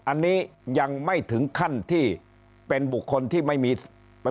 อันนี้ยังไม่ถึงขั้นที่เป็นบุคคลที่ไม่มี